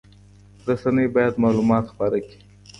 رسنۍ باید معلومات خپاره کړي.